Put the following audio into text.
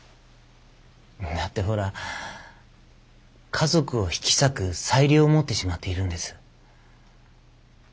だってほら家族を引き裂く裁量を持ってしまっているんです。